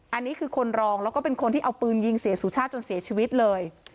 อันนี้คือคนรองแล้วก็เป็นคนที่เอาปืนยิงเสียสุชาติจนเสียชีวิตเลย